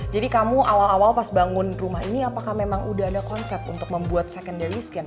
jadi kamu awal awal pas bangun rumah ini apakah memang udah ada konsep untuk membuat secondary skin